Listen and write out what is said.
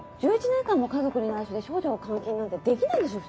１１年間も家族に内緒で少女を監禁なんてできないでしょ？